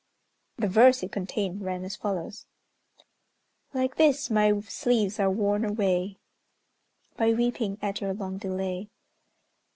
The verse it contained ran as follows: "Like this, my sleeves are worn away, By weeping at your long delay."